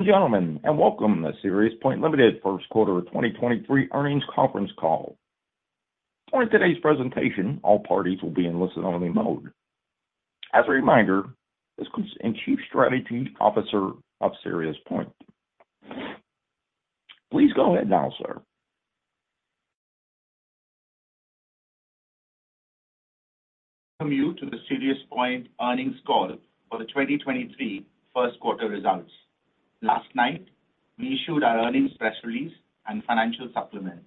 Ladies and gentlemen, welcome to SiriusPoint Limited First Quarter 2023 Earnings Conference Call. During today's presentation, all parties will be in listen-only mode. As a reminder, this and Chief Strategy Officer of SiriusPoint. Please go ahead now, sir. Welcome you to the SiriusPoint Earnings Call for the 2023 first quarter results. Last night, we issued our earnings press release and financial supplement,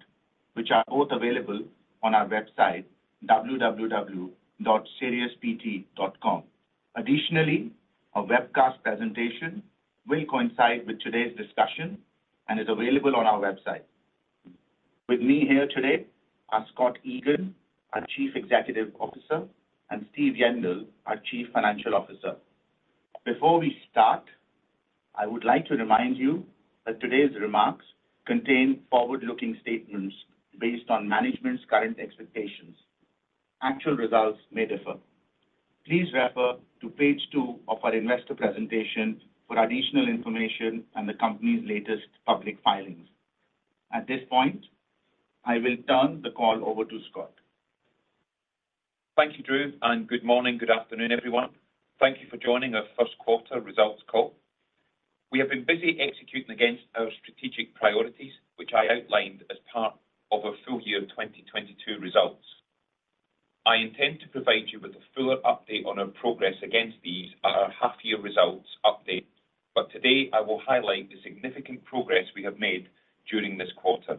which are both available on our website www.siriuspoint.com. Additionally, a webcast presentation will coincide with today's discussion and is available on our website. With me here today are Scott Egan, our Chief Executive Officer, and Steve Yendall, our Chief Financial Officer. Before we start, I would like to remind you that today's remarks contain forward-looking statements based on management's current expectations. Actual results may differ. Please refer to page 2 of our investor presentation for additional information and the company's latest public filings. At this point, I will turn the call over to Scott. Thank you, Drew. Good morning, good afternoon, everyone. Thank you for joining our first quarter results call. We have been busy executing against our strategic priorities, which I outlined as part of our full year 2022 results. I intend to provide you with a fuller update on our progress against these at our half year results update. Today, I will highlight the significant progress we have made during this quarter.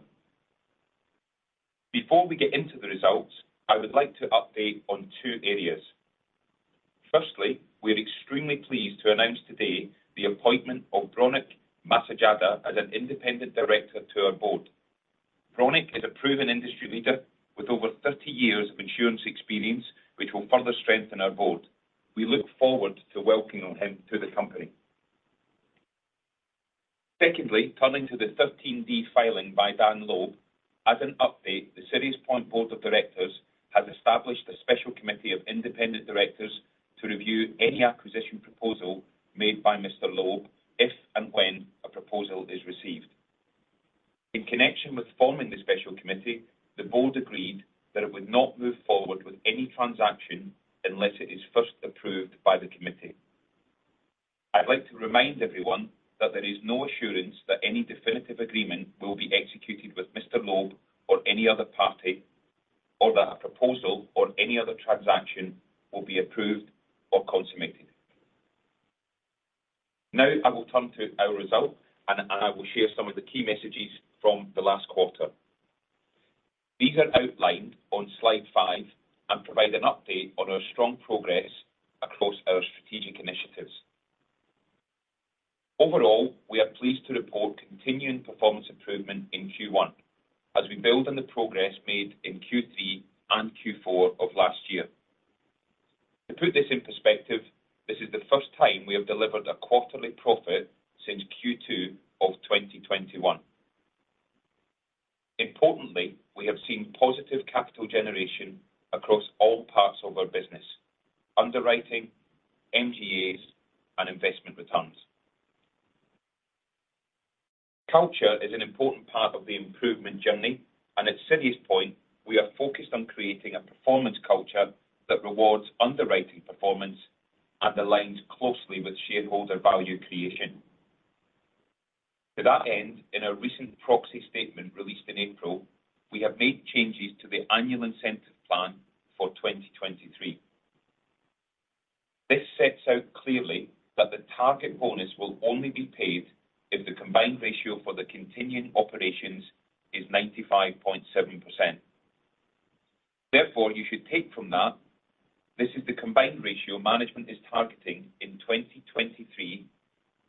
Before we get into the results, I would like to update on two areas. Firstly, we are extremely pleased to announce today the appointment of Bronek Masojada as an independent director to our board. Bronek is a proven industry leader with over 30 years of insurance experience, which will further strengthen our board. We look forward to welcoming him to the company. Secondly, turning to the 13D filing by Daniel Loeb. As an update, the SiriusPoint board of directors has established a special committee of independent directors to review any acquisition proposal made by Mr. Loeb if and when a proposal is received. In connection with forming the special committee, the board agreed that it would not move forward with any transaction unless it is first approved by the committee. I'd like to remind everyone that there is no assurance that any definitive agreement will be executed with Mr. Loeb or any other party, or that a proposal or any other transaction will be approved or consummated. I will turn to our results and I will share some of the key messages from the last quarter. These are outlined on slide five and provide an update on our strong progress across our strategic initiatives. Overall, we are pleased to report continuing performance improvement in Q1 as we build on the progress made in Q3 and Q4 of last year. To put this in perspective, this is the first time we have delivered a quarterly profit since Q2 of 2021. Importantly, we have seen positive capital generation across all parts of our business: underwriting, MGAs, and investment returns. Culture is an important part of the improvement journey, and at SiriusPoint, we are focused on creating a performance culture that rewards underwriting performance and aligns closely with shareholder value creation. To that end, in our recent proxy statement released in April, we have made changes to the annual incentive plan for 2023. This sets out clearly that the target bonus will only be paid if the combined ratio for the continuing operations is 95.7%. Therefore, you should take from that this is the combined ratio management is targeting in 2023,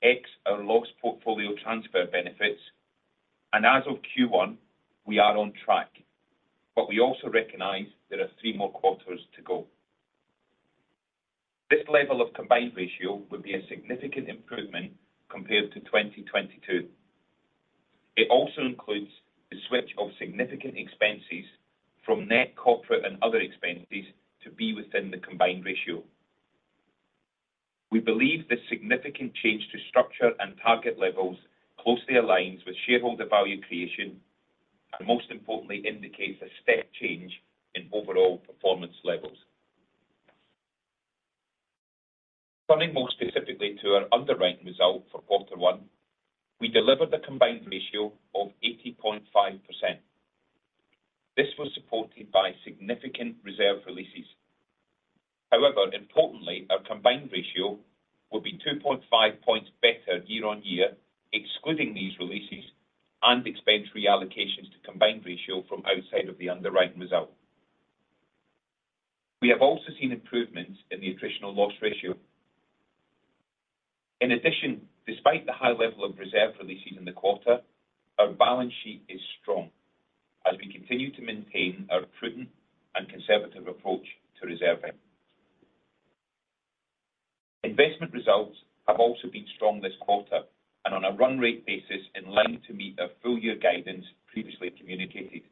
ex our loss portfolio transfer benefits. As of Q1, we are on track, but we also recognize there are three more quarters to go. This level of combined ratio would be a significant improvement compared to 2022. It also includes the switch of significant expenses from net corporate and other expenses to be within the combined ratio. We believe this significant change to structure and target levels closely aligns with shareholder value creation, and most importantly, indicates a step change in overall performance levels. Turning more specifically to our underwriting result for quarter one, we delivered a combined ratio of 80.5%. This was supported by significant reserve releases. However, importantly, our combined ratio will be 2.5 points better year-on-year, excluding these releases and expense reallocations to combined ratio from outside of the underwriting result. We have also seen improvements in the attritional loss ratio. In addition, despite the high level of reserve releases in the quarter, our balance sheet is strong as we continue to maintain our prudent and conservative approach to reserving. Investment results have also been strong this quarter and on a run rate basis in line to meet our full-year guidance previously communicated.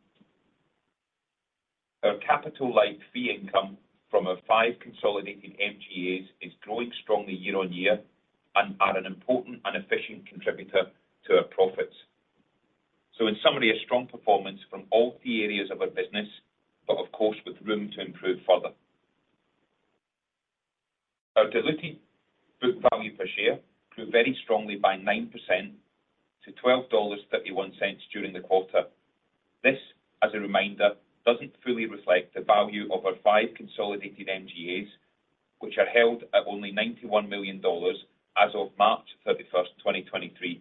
Our capital light fee income from our 5 consolidated MGAs is growing strongly year-on-year and are an important and efficient contributor to our profits. In summary, a strong performance from all key areas of our business, but of course, with room to improve further. Our Diluted Book Value Per Share grew very strongly by 9% to $12.31 during the quarter. This, as a reminder, doesn't fully reflect the value of our 5 consolidated MGAs, which are held at only $91 million as of March 31, 2023,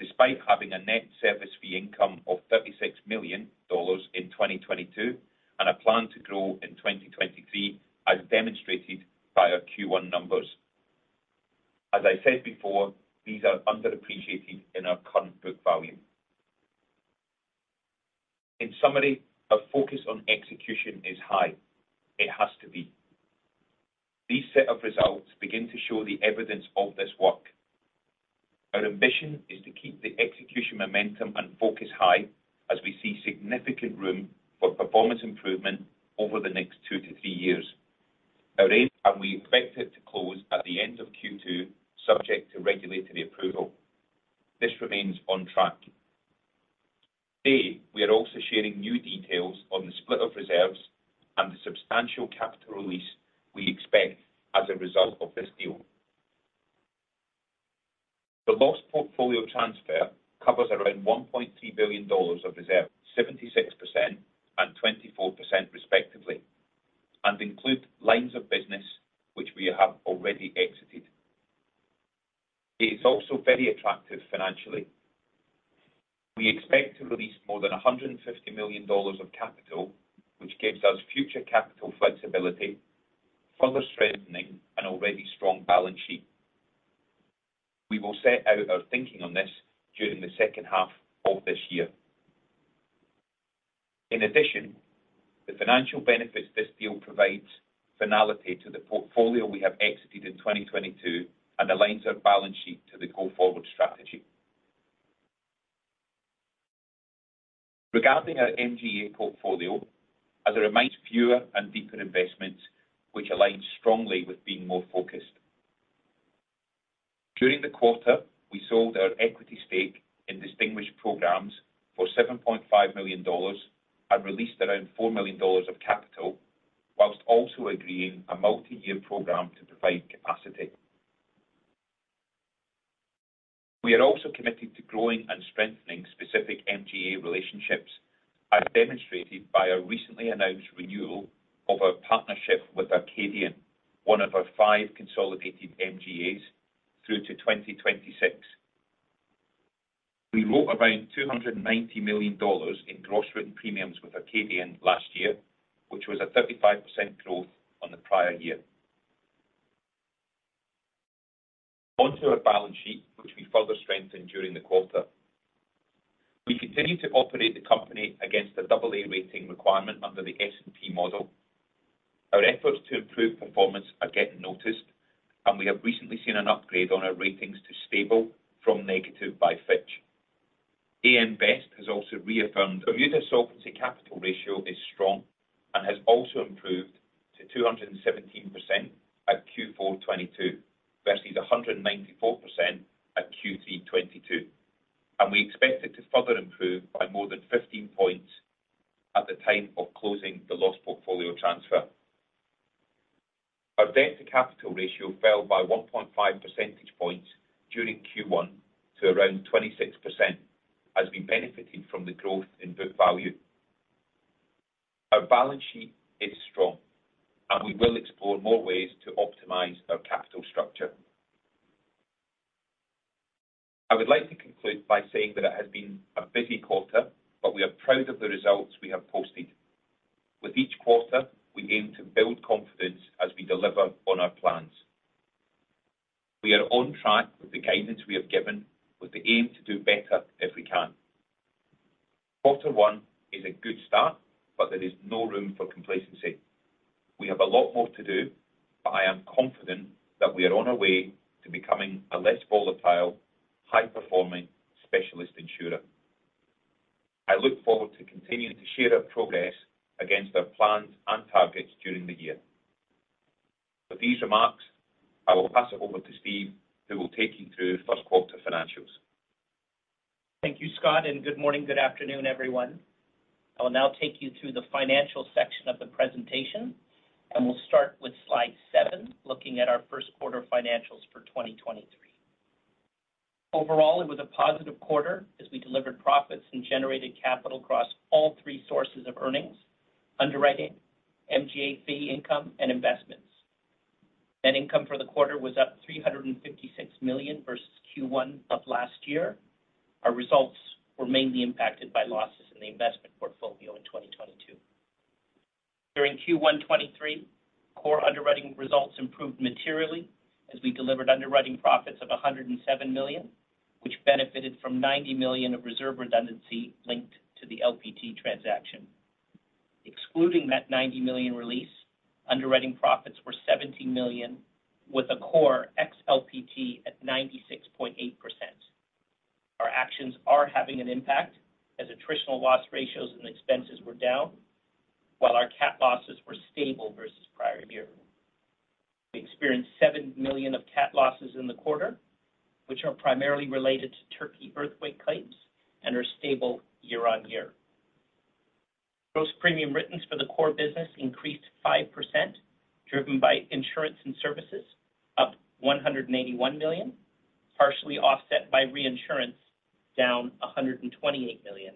despite having a net service fee income of $36 million in 2022 and a plan to grow in 2023, as demonstrated by our Q1 numbers. As I said before, these are underappreciated in our current book value. In summary, our focus on execution is high. It has to be. These set of results begin to show the evidence of this work. Our ambition is to keep the execution momentum and focus high as we see significant room for performance improvement over the next 2-3 years. Our aim... We expect it to close at the end of Q2, subject to regulatory approval. This remains on track. Today, we are also sharing new details on the split of reserves and the substantial capital release we expect as a result of this deal. The loss portfolio transfer covers around $1.3 billion of reserves, 76% and 24% respectively, and include lines of business which we have already exited. It is also very attractive financially. We expect to release more than $150 million of capital, which gives us future capital flexibility, further strengthening an already strong balance sheet. We will set out our thinking on this during the second half of this year. In addition, the financial benefits this deal provides finality to the portfolio we have exited in 2022 and aligns our balance sheet to the go-forward strategy. Regarding our MGA portfolio, as it remains fewer and deeper investments, which aligns strongly with being more focused. During the quarter, we sold our equity stake in Distinguished Programs for $7.5 million and released around $4 million of capital, whilst also agreeing a multi-year program to provide capacity. We are also committed to growing and strengthening specific MGA relationships, as demonstrated by our recently announced renewal of our partnership with Arcadian, one of our five consolidated MGAs, through to 2026. We wrote around $290 million in Gross Written Premiums with Arcadian last year, which was a 35% growth on the prior year. On to our balance sheet, which we further strengthened during the quarter. We continue to operate the company against the AA rating requirement under the S&P model. Our efforts to improve performance are getting noticed. We have recently seen an upgrade on our ratings to stable from negative by Fitch. AM Best has also reaffirmed Bermuda Solvency Capital Ratio is strong and has also improved to 217% at Q4 2022, versus 194% at Q3 2022. We expect it to further improve by more than 15 points at the time of closing the loss portfolio transfer. Our Debt-to-Capital Ratio fell by 1.5 percentage points during Q1 to around 26%, as we benefited from the growth in book value. Our balance sheet is strong, and we will explore more ways to optimize our capital structure. I would like to conclude by saying that it has been a busy quarter, but we are proud of the results we have posted. With each quarter, we aim to build confidence as we deliver on our plans. We are on track with the guidance we have given with the aim to do better if we can. Quarter one is a good start, but there is no room for complacency. We have a lot more to do, but I am confident that we are on our way to becoming a less volatile, high-performing specialist insurer. I look forward to continuing to share our progress against our plans and targets during the year. With these remarks, I will pass it over to Steve, who will take you through first quarter financials. Thank you, Scott, and good morning, good afternoon, everyone. I will now take you through the financial section of the presentation, and we'll start with slide 7, looking at our first quarter financials for 2023. Overall, it was a positive quarter as we delivered profits and generated capital across all three sources of earnings: underwriting, MGA fee income, and investments. Net income for the quarter was up $356 million versus Q1 of last year. Our results were mainly impacted by losses in the investment portfolio in 2022. During Q1 2023, core underwriting results improved materially as we delivered underwriting profits of $107 million, which benefited from $90 million of reserve redundancy linked to the LPT transaction. Excluding that $90 million release, underwriting profits were $17 million, with a core ex LPT at 96.8%. Actions are having an impact as attritional loss ratios and expenses were down, while our cat losses were stable versus prior year. We experienced $7 million of cat losses in the quarter, which are primarily related to Turkey earthquake claims and are stable year-on-year. Gross premiums written for the core business increased 5%, driven by insurance and services up $181 million, partially offset by reinsurance down $128 million,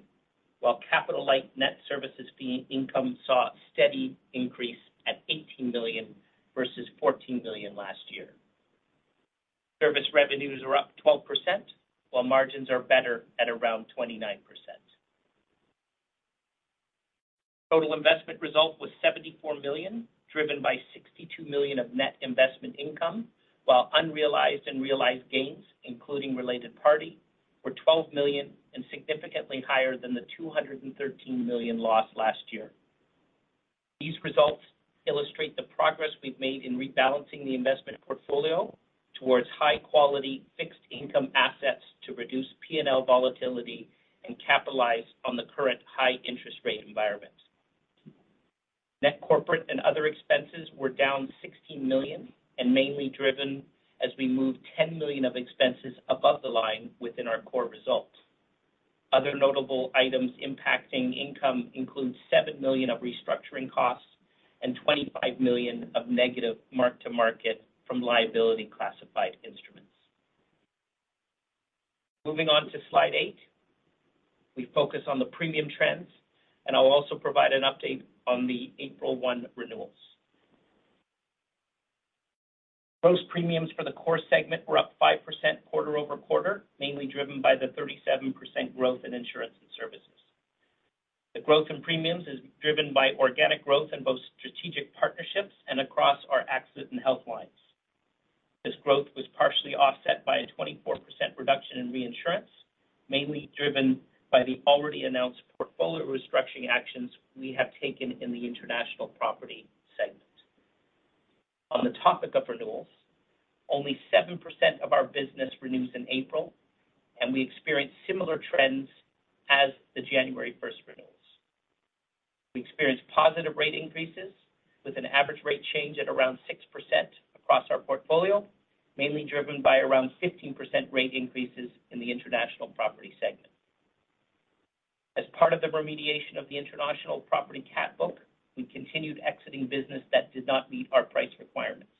while capital-light net services fee income saw a steady increase at $18 million versus $14 million last year. Service revenues are up 12%, while margins are better at around 29%. Total investment result was $74 million, driven by $62 million of net investment income, while unrealized and realized gains, including related party, were $12 million and significantly higher than the $213 million lost last year. These results illustrate the progress we've made in rebalancing the investment portfolio towards high quality fixed income assets to reduce P&L volatility and capitalize on the current high interest rate environment. Net corporate and other expenses were down $16 million and mainly driven as we moved $10 million of expenses above the line within our core results. Other notable items impacting income include $7 million of restructuring costs and $25 million of negative mark-to-market from liability classified instruments. Moving on to slide 8. We focus on the premium trends, and I'll also provide an update on the April 1 renewals. Gross premiums for the core segment were up 5% quarter-over-quarter, mainly driven by the 37% growth in insurance and services. The growth in premiums is driven by organic growth in both strategic partnerships and across our accident and health lines. This growth was partially offset by a 24% reduction in reinsurance, mainly driven by the already announced portfolio restructuring actions we have taken in the international property segment. On the topic of renewals, only 7% of our business renews in April, and we experienced similar trends as the January 1st renewals. We experienced positive rate increases with an average rate change at around 6% across our portfolio, mainly driven by around 15% rate increases in the international property segment. As part of the remediation of the international property cat book, we continued exiting business that did not meet our price requirements.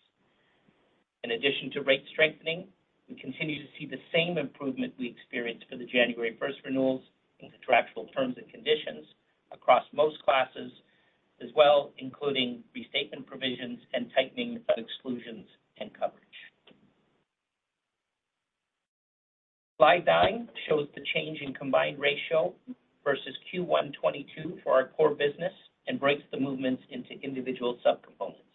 In addition to rate strengthening, we continue to see the same improvement we experienced for the January 1st renewals in contractual terms and conditions across most classes as well, including restatement provisions and tightening of exclusions and coverage. Slide 9 shows the change in combined ratio versus Q1 2022 for our core business and breaks the movements into individual subcomponents.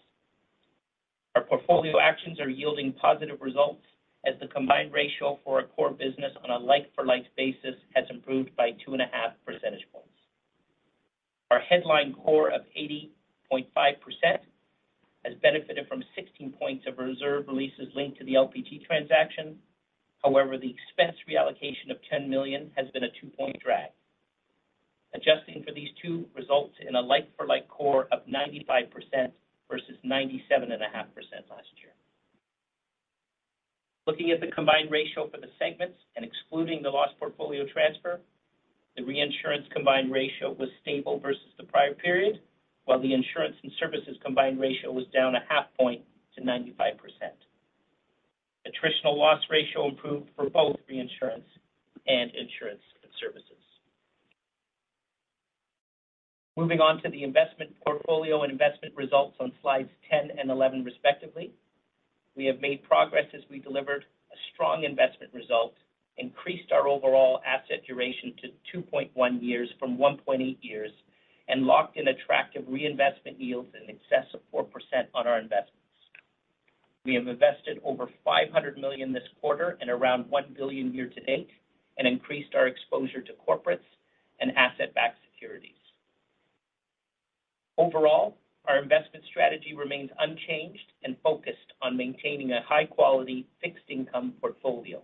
Our portfolio actions are yielding positive results as the combined ratio for a core business on a like for like basis has improved by 2.5 percentage points. Our headline core of 80.5% has benefited from 16 points of reserve releases linked to the LPT transaction. The expense reallocation of $10 million has been a 2-point drag. Adjusting for these 2 results in a like for like core of 95% versus 97.5% last year. Looking at the combined ratio for the segments and excluding the loss portfolio transfer, the reinsurance combined ratio was stable versus the prior period, while the insurance and services combined ratio was down a half point to 95%. attritional loss ratio improved for both reinsurance and insurance and services. Moving on to the investment portfolio and investment results on slides 10 and 11 respectively. We have made progress as we delivered a strong investment result, increased our overall asset duration to 2.1 years from 1.8 years, and locked in attractive reinvestment yields in excess of 4% on our investments. We have invested over $500 million this quarter and around $1 billion year to date, and increased our exposure to corporates and asset-backed securities. Our investment strategy remains unchanged and focused on maintaining a high quality fixed income portfolio.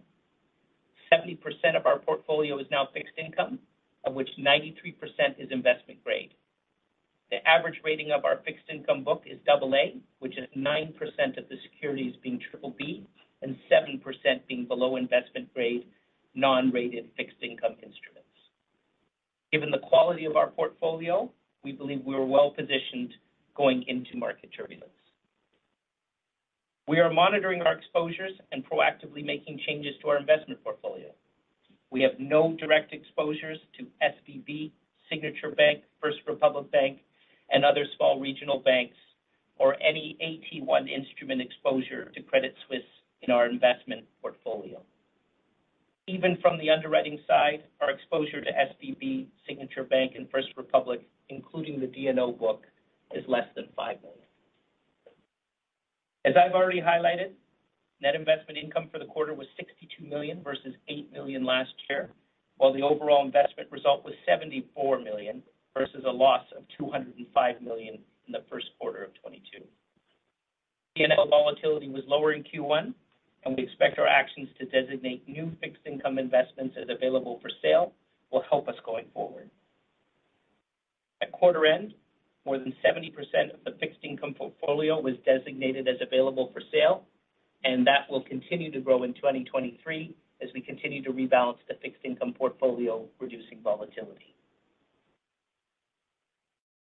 70% of our portfolio is now fixed income, of which 93% is investment grade. The average rating of our fixed income book is double A, which is 9% of the securities being triple B and 7% being below investment grade non-rated fixed income instruments. Given the quality of our portfolio, we believe we are well-positioned going into market turbulence. We are monitoring our exposures and proactively making changes to our investment portfolio. We have no direct exposures to SVB, Signature Bank, First Republic Bank, and other small regional banks or any AT1 instrument exposure to Credit Suisse in our investment portfolio. Even from the underwriting side, our exposure to SVB, Signature Bank, and First Republic, including the D&O book, is less than $5 million. As I've already highlighted, net investment income for the quarter was $62 million versus $8 million last year, while the overall investment result was $74 million versus a loss of $205 million in the first quarter of 2022. The NFL volatility was lower in Q1. We expect our actions to designate new fixed income investments as Available-for-Sale will help us going forward. At quarter end, more than 70% of the fixed income portfolio was designated as Available-for-Sale. That will continue to grow in 2023 as we continue to rebalance the fixed income portfolio, reducing volatility.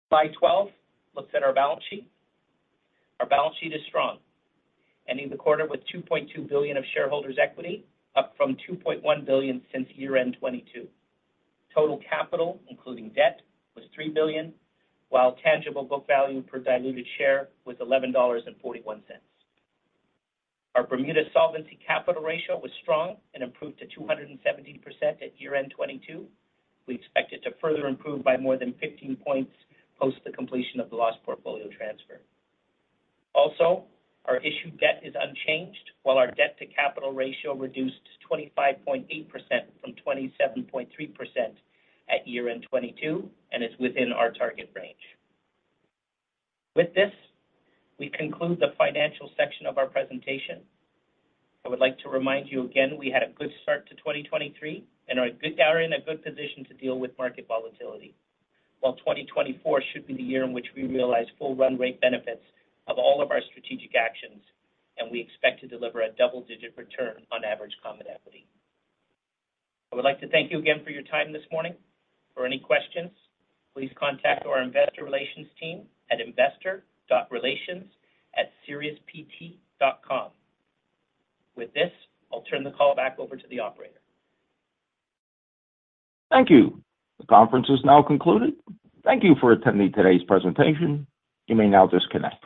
Slide 12 looks at our balance sheet. Our balance sheet is strong, ending the quarter with $2.2 billion of shareholders equity, up from $2.1 billion since year-end 2022. Total capital, including debt, was $3 billion, while tangible book value per diluted share was $11.41. Our Bermuda Solvency Capital ratio was strong and improved to 270% at year-end 2022. We expect it to further improve by more than 15 points post the completion of the loss portfolio transfer. Our issued debt is unchanged, while our Debt-to-Capital Ratio reduced to 25.8% from 27.3% at year-end 2022 and is within our target range. With this, we conclude the financial section of our presentation. I would like to remind you again, we had a good start to 2023 and are in a good position to deal with market volatility. While 2024 should be the year in which we realize full run rate benefits of all of our strategic actions, and we expect to deliver a double-digit Return on Average Common Equity. I would like to thank you again for your time this morning. For any questions, please contact our investor relations team at investor.relations@siriuspoint.com. With this, I'll turn the call back over to the operator. Thank you. The conference is now concluded. Thank you for attending today's presentation. You may now disconnect.